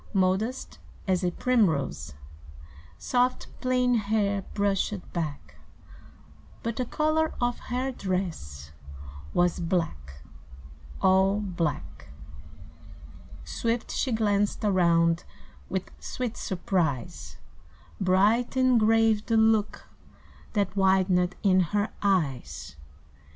Modest as a primrose, Soft, plain hair brushed back, But the color of her dress was Black all black. Swift she glanced around with Sweet surprise; Bright and grave the look that Widened in her eyes.